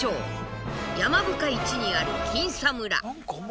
山深い地にある金沙村。